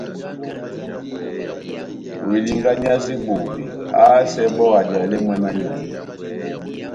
Ohilinganiyase bobé, ahásɛ bɔ́ adiyalɛ mwána nyɔ́ngwɛ.